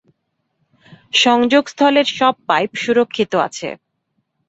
সংযোগ স্থলের সব পাইপ সুরক্ষিত আছে।